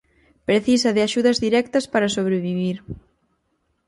Precisa de axudas directas para sobrevivir.